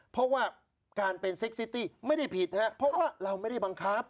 เพราะว่าการเป็นเซ็กซิตี้ไม่ได้ผิดครับเพราะว่าเราไม่ได้บังคับ